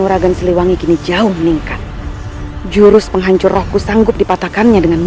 ini saatnya untuk menghabisinya